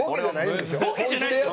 ボケじゃないんでしょ？